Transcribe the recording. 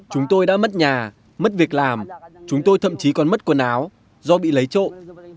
chúng tôi đã mất nhà mất việc làm chúng tôi thậm chí còn mất quần áo do bị lấy trộm